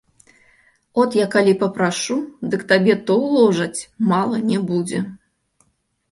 От я калі папрашу, дык табе то ўложаць, мала не будзе.